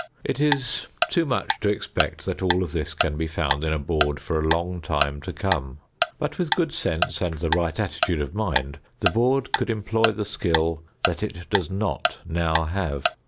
It is too much to expect that all of this can be found in a board for a long time to come, but with good sense and the right attitude of mind the board could employ the skill that it does not now have.